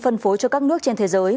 phân phối cho các nước trên thế giới